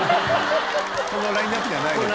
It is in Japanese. このラインナップじゃないですね